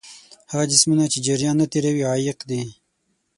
هغه جسمونه چې جریان نه تیروي عایق دي.